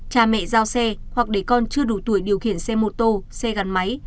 cha mẹ giao xe hoặc để con chưa đủ tuổi điều khiển xe mô tô xe gắn máy